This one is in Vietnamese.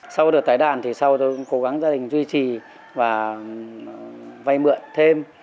sau đợt tái đàn thì sau tôi cũng cố gắng gia đình duy trì và vay mượn thêm